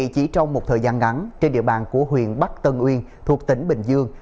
chỉ trong một thời gian ngắn trên địa bàn của huyện bắc tân uyên thuộc tỉnh bình dương